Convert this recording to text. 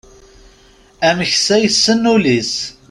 Ameksa yessen ulli-s.